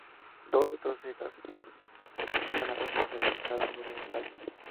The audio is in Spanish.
Dos a tres hojas bipinnadas nacen en cada nudo del tallo.